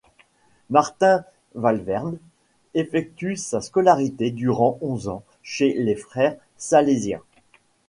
Martín Valverde effectue sa scolarité durant onze ans chez les frères salésiens.